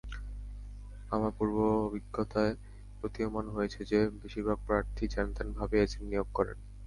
আমার পূর্বাভিজ্ঞতায় প্রতীয়মান হয়েছে যে, বেশির ভাগ প্রার্থী যেনতেনভাবে এজেন্ট নিয়োগ করেন।